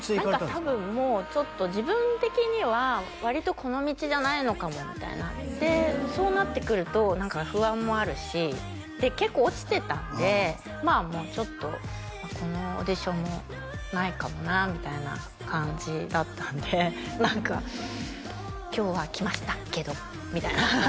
何か多分もうちょっと自分的には割とこの道じゃないのかもみたいになってそうなってくると何か不安もあるしで結構落ちてたんでまあもうちょっとこのオーディションもないかもなみたいな感じだったんで何か今日は来ましたけどみたいな